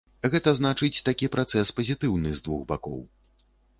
Гэта значыць, такі працэс пазітыўны з двух бакоў.